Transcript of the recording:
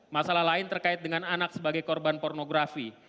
masalah lain terkait dengan anak sebagai korban pornografi